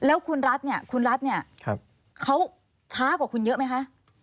แล้วคุณรัฐเนี่ยเขาช้ากว่าคุณเยอะไหมคะ